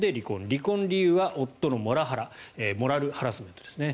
離婚理由は夫のモラハラモラルハラスメントですね。